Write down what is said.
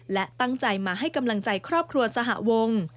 และตั้งใจมาให้กำลังใจครอบครัวสหวง